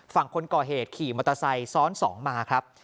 ฝั่งคนก่อเหตุขี่มอเตอร์ไซค์ซ้อนสองมาครับ